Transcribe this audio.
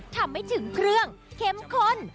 ทำให้ถึงเครื่องเข้มข้น